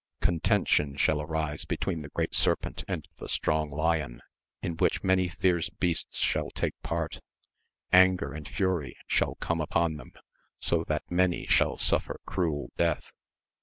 Contention shall arise between the great Serpent and the strong Lion, in which many fierce beasts shall take part ; anger and fury shall come upon them, so that many shall suffer cruel death.